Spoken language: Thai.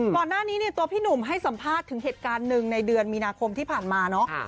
ก่อนหน้านี้เนี่ยตัวพี่หนุ่มให้สัมภาษณ์ถึงเหตุการณ์หนึ่งในเดือนมีนาคมที่ผ่านมาเนาะ